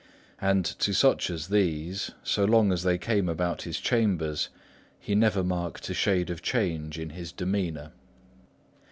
And to such as these, so long as they came about his chambers, he never marked a shade of change in his demeanour.